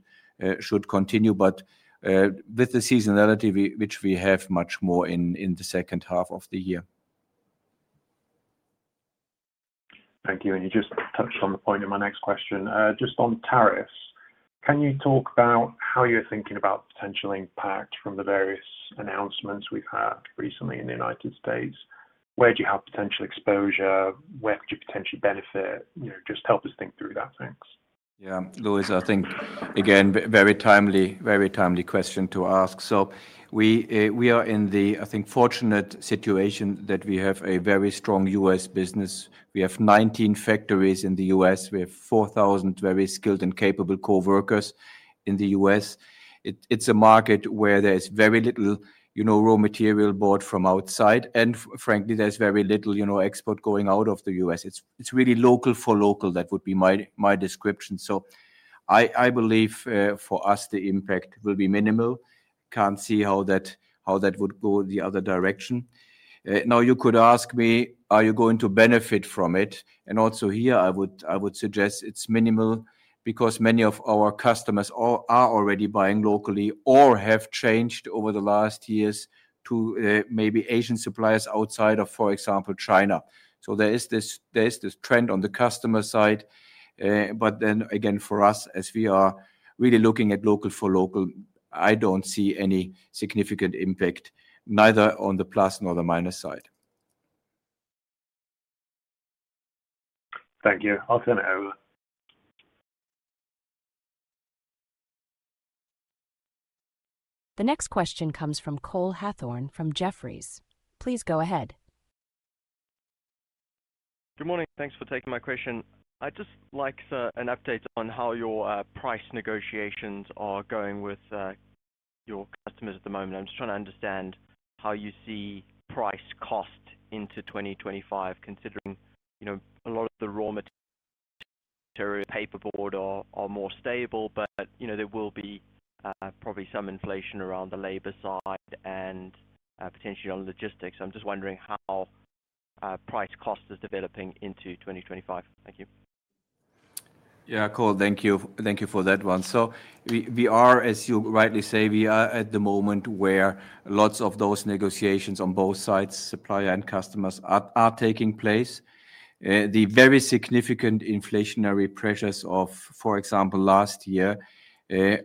should continue, but with the seasonality, which we have much more in the second half of the year. Thank you. And you just touched on the point of my next question. Just on tariffs, can you talk about how you're thinking about potential impact from the various announcements we've had recently in the United States? Where do you have potential exposure? Where could you potentially benefit? Just help us think through that, thanks. Yeah. Lewis, I think, again, very timely, very timely question to ask. So we are in the, I think, fortunate situation that we have a very strong U.S. business. We have 19 factories in the U.S. We have 4,000 very skilled and capable coworkers in the U.S. It's a market where there is very little raw material bought from outside. And frankly, there's very little export going out of the U.S. It's really local for local. That would be my description. So I believe for us, the impact will be minimal. Can't see how that would go in the other direction. Now, you could ask me, are you going to benefit from it? And also here, I would suggest it's minimal because many of our customers are already buying locally or have changed over the last years to maybe Asian suppliers outside of, for example, China. So there is this trend on the customer side. But then again, for us, as we are really looking at local for local, I don't see any significant impact, neither on the plus nor the minus side. Thank you. I'll turn it over. The next question comes from Cole Hathorn from Jefferies. Please go ahead. Good morning. Thanks for taking my question. I'd just like an update on how your price negotiations are going with your customers at the moment. I'm just trying to understand how you see price cost into 2025, considering a lot of the raw material, paperboard, are more stable. But there will be probably some inflation around the labor side and potentially on logistics. I'm just wondering how price cost is developing into 2025? Thank you. Yeah. Cole, thank you for that one. So we are, as you rightly say, we are at the moment where lots of those negotiations on both sides, supplier and customers, are taking place. The very significant inflationary pressures of, for example, last year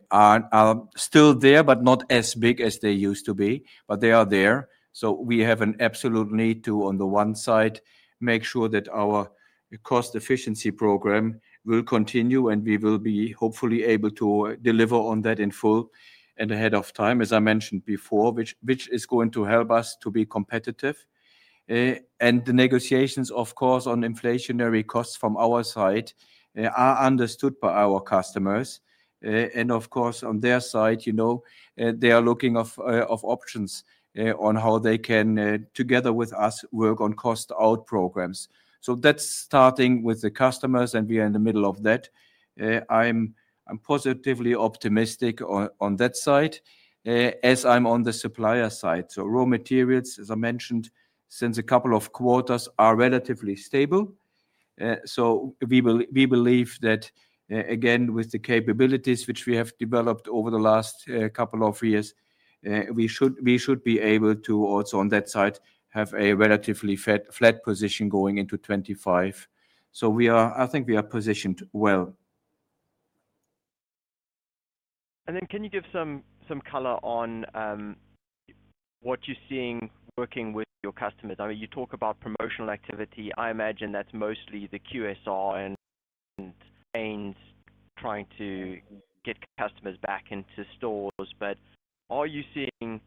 are still there, but not as big as they used to be. But they are there. So we have an absolute need to, on the one side, make sure that our cost efficiency program will continue, and we will be hopefully able to deliver on that in full and ahead of time, as I mentioned before, which is going to help us to be competitive. And the negotiations, of course, on inflationary costs from our side are understood by our customers. And of course, on their side, they are looking for options on how they can, together with us, work on cost-out programs. So that's starting with the customers, and we are in the middle of that. I'm positively optimistic on that side as I'm on the supplier side. So raw materials, as I mentioned, since a couple of quarters, are relatively stable. So we believe that, again, with the capabilities which we have developed over the last couple of years, we should be able to also, on that side, have a relatively flat position going into 2025. So I think we are positioned well. Can you give some color on what you're seeing working with your customers? I mean, you talk about promotional activity. I imagine that's mostly the QSR and chains trying to get customers back into stores. But are you seeing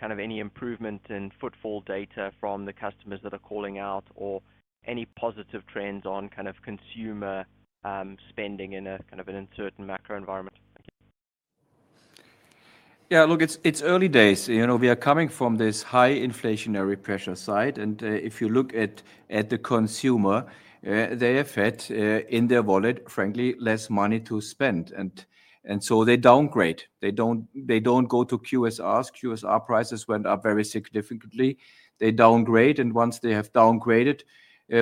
kind of any improvement in footfall data from the customers that are calling out or any positive trends on kind of consumer spending in a kind of uncertain macro environment? Yeah. Look, it's early days. We are coming from this high inflationary pressure side. And if you look at the consumer, they have had in their wallet, frankly, less money to spend. And so they downgrade. They don't go to QSRs. QSR prices went up very significantly. They downgrade. And once they have downgraded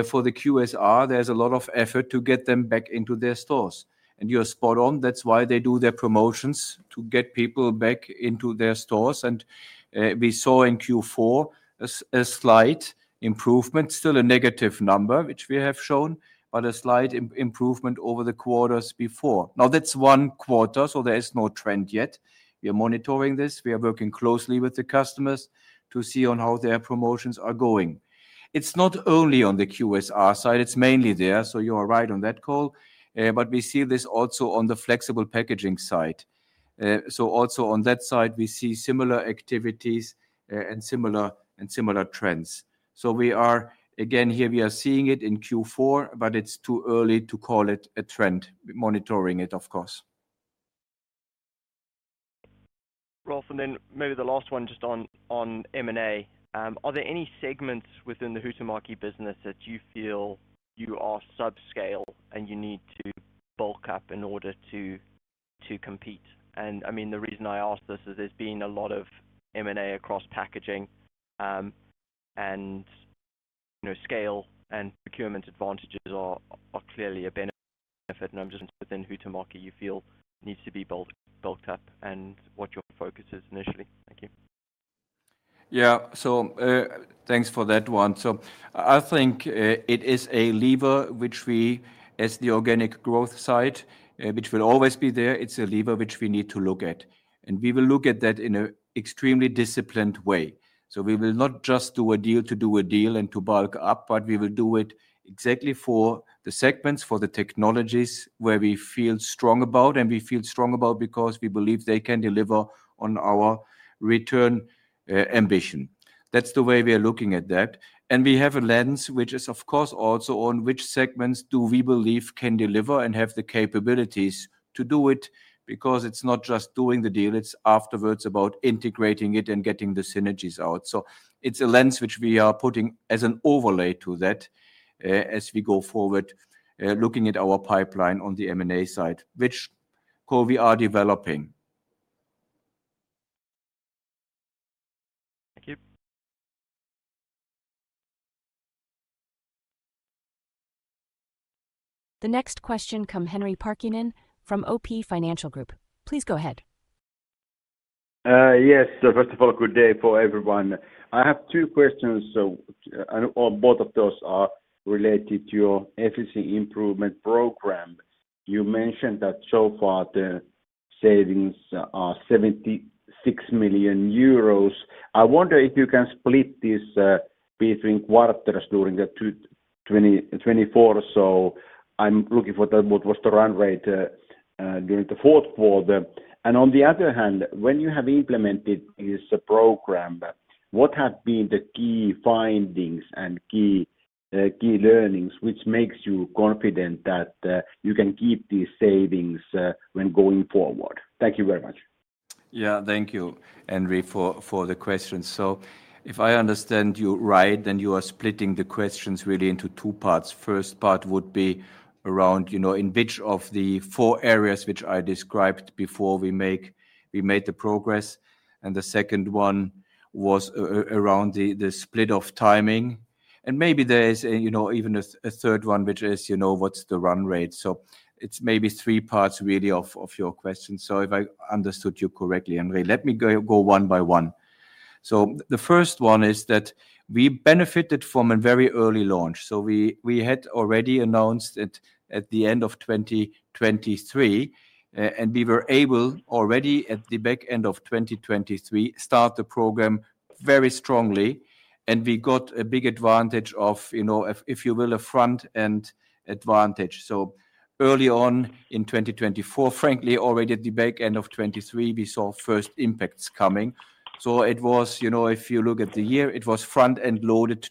for the QSR, there's a lot of effort to get them back into their stores. And you're spot on. That's why they do their promotions to get people back into their stores. And we saw in Q4 a slight improvement, still a negative number, which we have shown, but a slight improvement over the quarters before. Now, that's one quarter, so there is no trend yet. We are monitoring this. We are working closely with the customers to see on how their promotions are going. It's not only on the QSR side. It's mainly there. So you are right on that, Cole. But we see this also on the Flexible Packaging side. So also on that side, we see similar activities and similar trends. So again, here we are seeing it in Q4, but it's too early to call it a trend. Monitoring it, of course. Ralf, and then maybe the last one just on M&A. Are there any segments within the Huhtamäki business that you feel you are subscale and you need to bulk up in order to compete? And I mean, the reason I ask this is there's been a lot of M&A across packaging. And scale and procurement advantages are clearly a benefit. And I'm just within Huhtamäki, you feel needs to be bulked up and what your focus is initially. Thank you. Yeah. So thanks for that one. So I think it is a lever which we, as the organic growth side, which will always be there. It's a lever which we need to look at. And we will look at that in an extremely disciplined way. So we will not just do a deal to do a deal and to bulk up, but we will do it exactly for the segments, for the technologies where we feel strong about. And we feel strong about because we believe they can deliver on our return ambition. That's the way we are looking at that. And we have a lens, which is, of course, also on which segments do we believe can deliver and have the capabilities to do it because it's not just doing the deal. It's afterwards about integrating it and getting the synergies out. So it's a lens which we are putting as an overlay to that as we go forward, looking at our pipeline on the M&A side, which, Cole, we are developing. Thank you. The next question comes from Henri Parkkinen from OP Financial Group. Please go ahead. Yes. First of all, good day for everyone. I have two questions. Both of those are related to your efficiency improvement program. You mentioned that so far the savings are 76 million euros. I wonder if you can split this between quarters during the 2024. So I'm looking for what was the run rate during the Q4. And on the other hand, when you have implemented this program, what have been the key findings and key learnings which makes you confident that you can keep these savings when going forward? Thank you very much. Yeah. Thank you, Henri, for the question. So if I understand you right, then you are splitting the questions really into two parts. First part would be around in which of the four areas which I described before, we made the progress. And the second one was around the split of timing. And maybe there is even a third one, which is what's the run rate. So it's maybe three parts really of your question. So if I understood you correctly, Henri, let me go one by one. So the first one is that we benefited from a very early launch. So we had already announced it at the end of 2023. And we were able already at the back end of 2023, start the program very strongly. And we got a big advantage of, if you will, a front-end advantage. Early on in 2024, frankly, already at the back end of 2023, we saw first impacts coming. If you look at the year, it was front-end loaded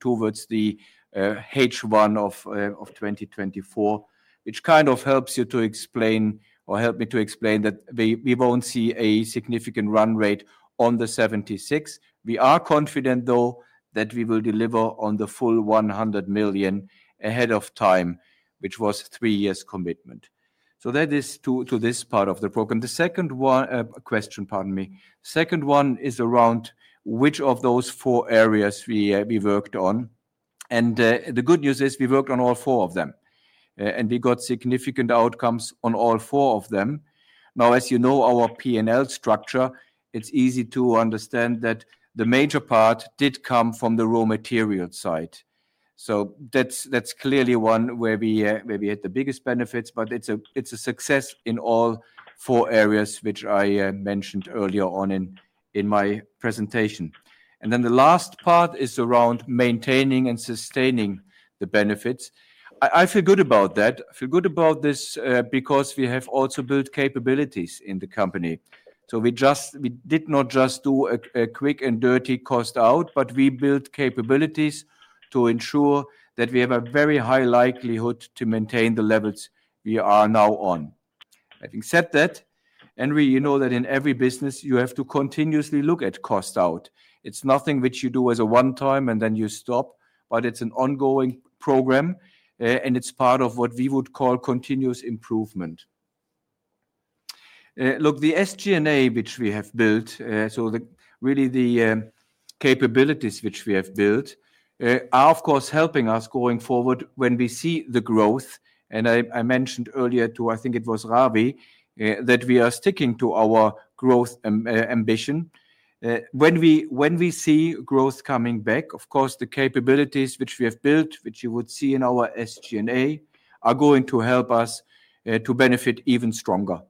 towards the H1 of 2024, which kind of helps you to explain or helped me to explain that we won't see a significant run rate on the 76 million. We are confident, though, that we will deliver on the full 100 million ahead of time, which was a three-year commitment. That is to this part of the program. The second question, pardon me, the second one is around which of those four areas we worked on. The good news is we worked on all four of them. And we got significant outcomes on all four of them. Now, as you know, our P&L structure, it's easy to understand that the major part did come from the raw material side. So that's clearly one where we had the biggest benefits. But it's a success in all four areas which I mentioned earlier on in my presentation. And then the last part is around maintaining and sustaining the benefits. I feel good about that. I feel good about this because we have also built capabilities in the company. So we did not just do a quick and dirty cost-out, but we built capabilities to ensure that we have a very high likelihood to maintain the levels we are now on. Having said that, Henri, you know that in every business, you have to continuously look at cost-out. It's nothing which you do as a one-time and then you stop. But it's an ongoing program. And it's part of what we would call continuous improvement. Look, the SG&A which we have built, so really the capabilities which we have built are, of course, helping us going forward when we see the growth. And I mentioned earlier to, I think it was Ravi, that we are sticking to our growth ambition. When we see growth coming back, of course, the capabilities which we have built, which you would see in our SG&A, are going to help us to benefit even stronger.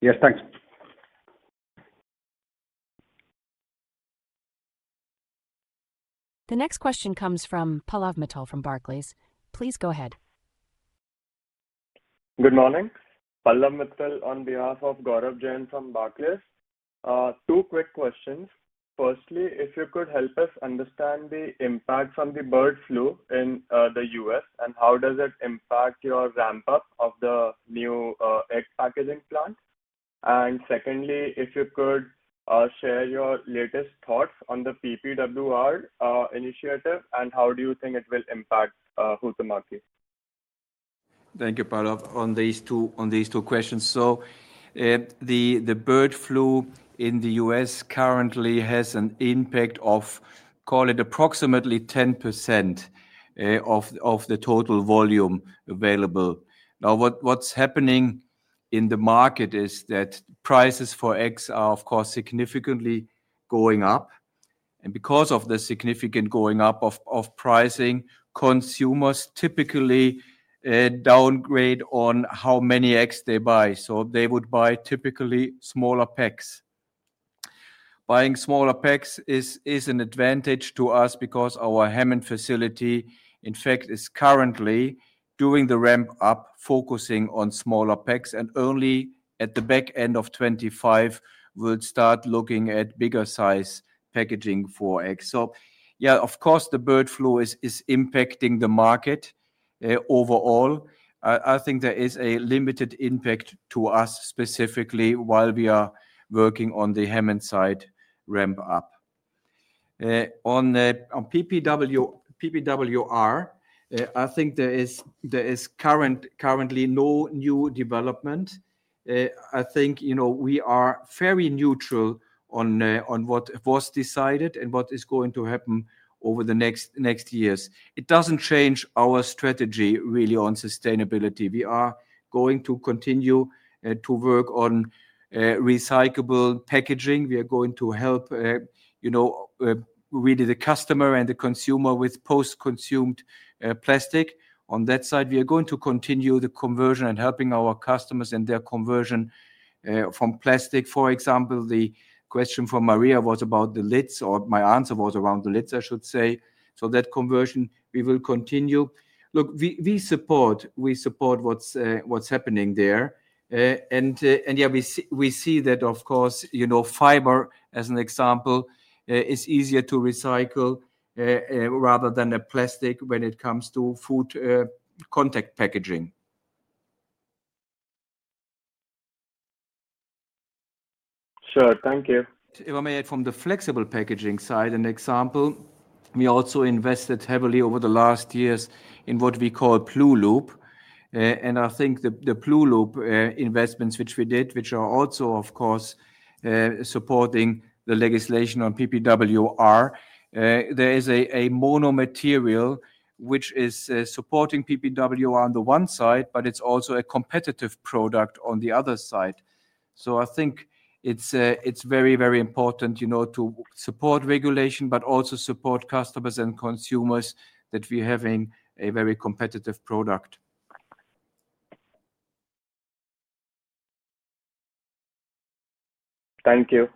Yes. Thanks. The next question comes from Pallav Mittal from Barclays. Please go ahead. Good morning. Pallav Mittal on behalf of Gaurav Jain from Barclays. Two quick questions. Firstly, if you could help us understand the impact from the bird flu in the U.S. and how does it impact your ramp-up of the new egg packaging plant. And secondly, if you could share your latest thoughts on the PPWR initiative and how do you think it will impact Huhtamäki. Thank you, Pallav, on these two questions. So the bird flu in the U.S. currently has an impact of, call it approximately 10% of the total volume available. Now, what's happening in the market is that prices for eggs are, of course, significantly going up, and because of the significant going up of pricing, consumers typically downgrade on how many eggs they buy. So they would buy typically smaller packs. Buying smaller packs is an advantage to us because our Hammond facility, in fact, is currently doing the ramp-up, focusing on smaller packs, and only at the back end of 2025, we'll start looking at bigger-size packaging for eggs. So yeah, of course, the bird flu is impacting the market overall. I think there is a limited impact to us specifically while we are working on the Hammond side ramp-up. On PPWR, I think there is currently no new development. I think we are very neutral on what was decided and what is going to happen over the next years. It doesn't change our strategy really on sustainability. We are going to continue to work on recyclable packaging. We are going to help really the customer and the consumer with post-consumer plastic. On that side, we are going to continue the conversion and helping our customers and their conversion from plastic. For example, the question from Maria was about the lids, or my answer was around the lids, I should say. So that conversion, we will continue. Look, we support what's happening there. And yeah, we see that, of course, Fiber, as an example, is easier to recycle rather than a plastic when it comes to food contact packaging. Sure. Thank you. If I may add, from the Flexible Packaging side, an example, we also invested heavily over the last years in what we call Blueloop, and I think the Blueloop investments which we did, which are also, of course, supporting the legislation on PPWR, there is a monomaterial which is supporting PPWR on the one side, but it's also a competitive product on the other side, so I think it's very, very important to support regulation, but also support customers and consumers that we are having a very competitive product. Thank you.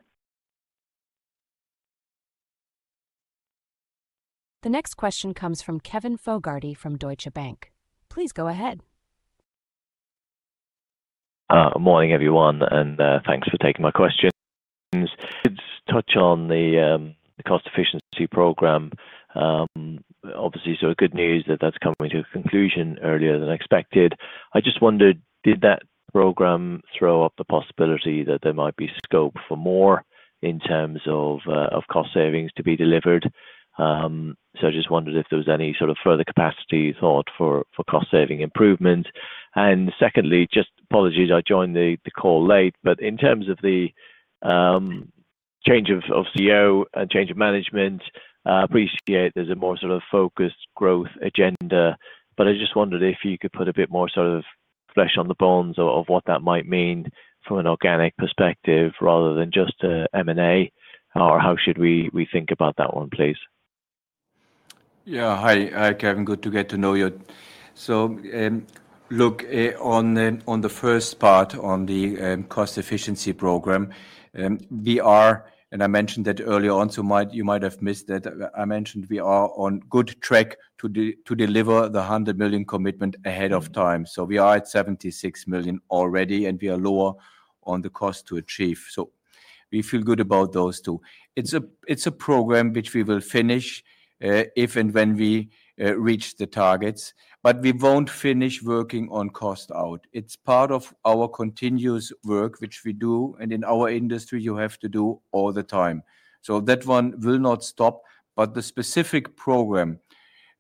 The next question comes from Kevin Fogarty from Deutsche Bank. Please go ahead. Morning, everyone, and thanks for taking my question. You did touch on the cost-efficiency program. Obviously, such good news that that's coming to a conclusion earlier than expected. I just wondered, did that program throw up the possibility that there might be scope for more in terms of cost savings to be delivered? So I just wondered if there was any sort of further capacity thought for cost-saving improvements. And secondly, my apologies, I joined the call late. But in terms of the change of CEO and change of management, I appreciate there's a more sort of focused growth agenda. But I just wondered if you could put a bit more sort of flesh on the bones of what that might mean from an organic perspective rather than just M&A. Or how should we think about that one, please? Yeah. Hi, Kevin. Good to get to know you. So look, on the first part, on the cost-efficiency program, we are, and I mentioned that earlier on, so you might have missed that. I mentioned we are on good track to deliver the 100 million commitment ahead of time. So we are at 76 million already, and we are lower on the cost to achieve. So we feel good about those two. It's a program which we will finish if and when we reach the targets. But we won't finish working on cost-out. It's part of our continuous work which we do. And in our industry, you have to do all the time. So that one will not stop. But the specific program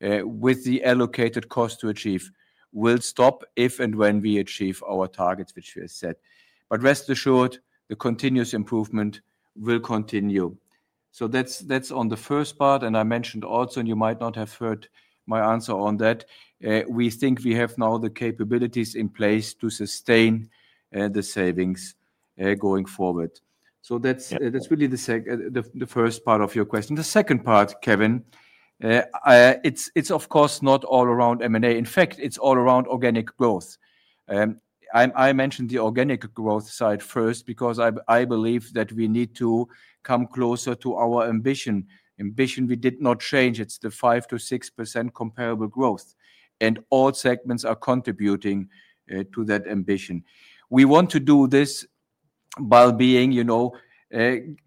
with the allocated cost to achieve will stop if and when we achieve our targets which we have set. But rest assured, the continuous improvement will continue. So that's on the first part. And I mentioned also, and you might not have heard my answer on that, we think we have now the capabilities in place to sustain the savings going forward. So that's really the first part of your question. The second part, Kevin, it's, of course, not all around M&A. In fact, it's all around organic growth. I mentioned the organic growth side first because I believe that we need to come closer to our ambition. Ambition, we did not change. It's the 5%-6% comparable growth. And all segments are contributing to that ambition. We want to do this by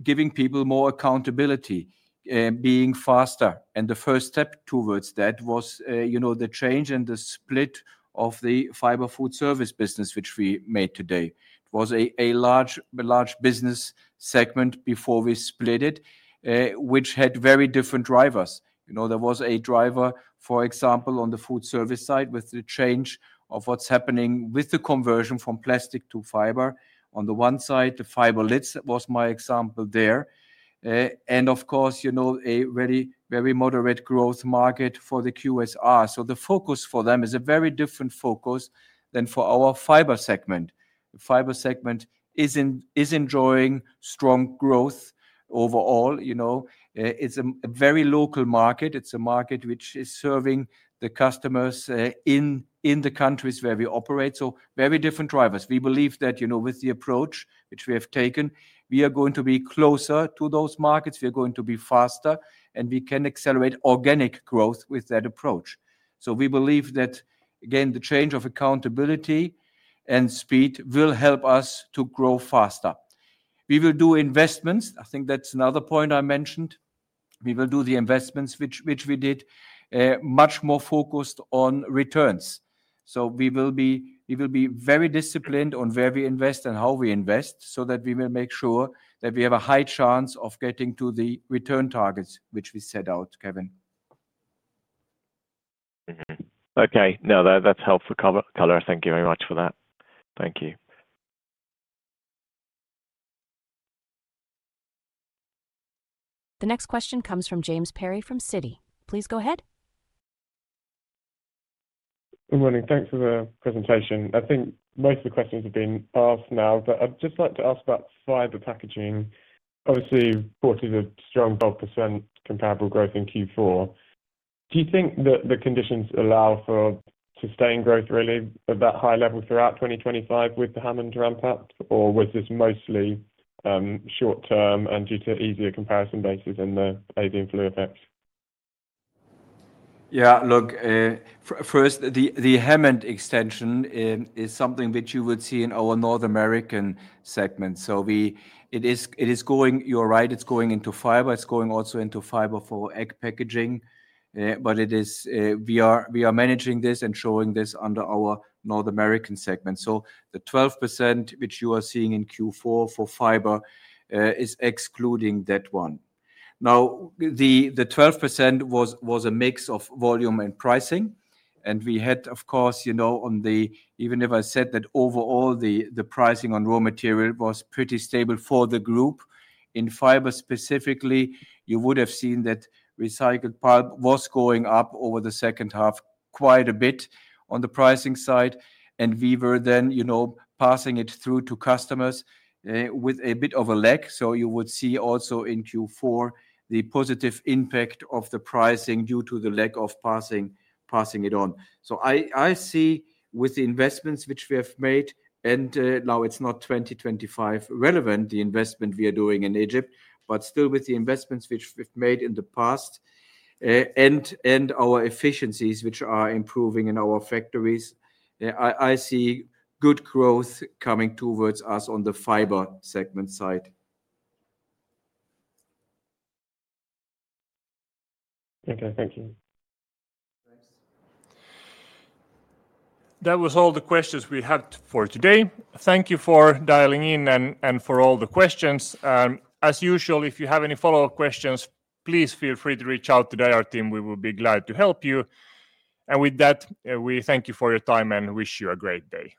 giving people more accountability, being faster, and the first step towards that was the change and the split of the Fiber Foodservice business which we made today. It was a large business segment before we split it, which had very different drivers. There was a driver, for example, on the Foodservice side with the change of what's happening with the conversion from plastic to Fiber. On the one side, the Fiber lids was my example there. And of course, a very moderate growth market for the QSR. So the focus for them is a very different focus than for our Fiber segment. The Fiber segment is enjoying strong growth overall. It's a very local market. It's a market which is serving the customers in the countries where we operate. So very different drivers. We believe that with the approach which we have taken, we are going to be closer to those markets. We are going to be faster. And we can accelerate organic growth with that approach. So we believe that, again, the change of accountability and speed will help us to grow faster. We will do investments. I think that's another point I mentioned. We will do the investments which we did, much more focused on returns. So we will be very disciplined on where we invest and how we invest so that we will make sure that we have a high chance of getting to the return targets which we set out, Kevin. Okay. No, that's helpful color. Thank you very much for that. Thank you. The next question comes from James Perry from Citi. Please go ahead. Good morning. Thanks for the presentation. I think most of the questions have been asked now. But I'd just like to ask about Fiber packaging. Obviously, reported a strong 12% comparable growth in Q4. Do you think that the conditions allow for sustained growth really at that high level throughout 2025 with the Hammond ramp-up? Or was this mostly short-term and due to easier comparison bases in the avian flu effects? Yeah. Look, first, the Hammond extension is something which you would see in our North American segment. So it is going, you're right, it's going into Fiber. It's going also into Fiber for egg packaging. But we are managing this and showing this under our North American segment. So the 12% which you are seeing in Q4 for Fiber is excluding that one. Now, the 12% was a mix of volume and pricing. And we had, of course, even if I said that overall, the pricing on raw material was pretty stable for the group. In Fiber specifically, you would have seen that recycled pulp was going up over the second half quite a bit on the pricing side. And we were then passing it through to customers with a bit of a lag. So you would see also in Q4 the positive impact of the pricing due to the lag of passing it on. So I see with the investments which we have made, and now it's not 2025 relevant, the investment we are doing in Egypt, but still with the investments which we've made in the past and our efficiencies which are improving in our factories, I see good growth coming towards us on the Fiber segment side. Okay. Thank you. Thanks. That was all the questions we had for today. Thank you for dialing in and for all the questions. As usual, if you have any follow-up questions, please feel free to reach out to the IR team. We will be glad to help you. And with that, we thank you for your time and wish you a great day.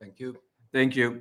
Thank you. Thank you.